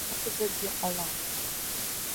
Акәзаргьы ҟалап.